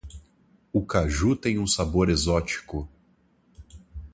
O caju tem um sabor exótico.